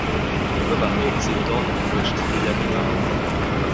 Quei va tut sin donn e cuost digl animal.